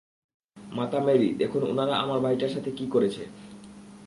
মাতা মেরি, দেখুন উনারা আমার ভাইটার সাথে কি করেছে।